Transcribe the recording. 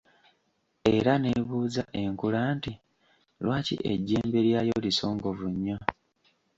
Era neebuuza enkula nti, lwaki ejjembe lyayo lisongovu nnyo.